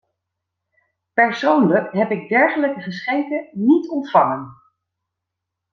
Persoonlijk heb ik dergelijke geschenken niet ontvangen.